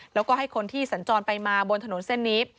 แล้วก็ให้คนที่สัญจรไปมาบนถนนเส้นนี้